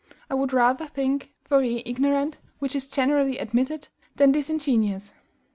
I would rather think Fourier ignorant (which is generally admitted) than disingenuous.